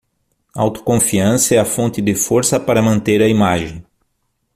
Autoconfiança é a fonte de força para manter a imagem